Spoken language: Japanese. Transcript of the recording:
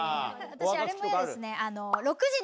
私あれも嫌ですね。